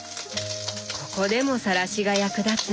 ここでもさらしが役立つんだ。